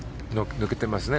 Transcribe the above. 抜けてますね。